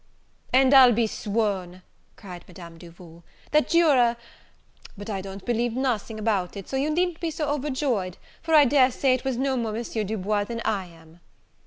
"And I'll be sworn," cried Madame Duval, "that you're a but I don't believe nothing about it, so you needn't be so overjoyed, for I dare say it was no more Monsieur Du Bois than I am."